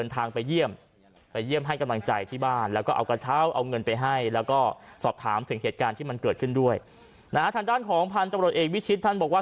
ทางด้านของพันธุ์ตำรวจเอกวิชิตท่านบอกว่า